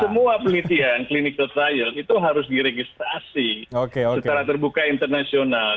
jadi semua penelitian clinical trial itu harus diregistrasi secara terbuka internasional